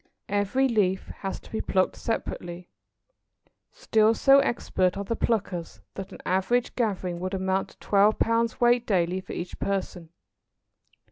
Every leaf has to be plucked separately. Still so expert are the pluckers that an average gathering would amount to twelve pounds weight daily for each person.